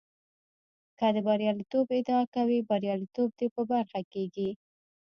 که د برياليتوب ادعا کوې برياليتوب دې په برخه کېږي.